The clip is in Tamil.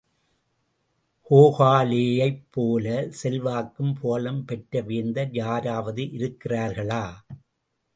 கோகலேயைப் போல செல்வாக்கும் புகழும் பெற்ற வேந்தர் யாராவது இருக்கிறார்களா?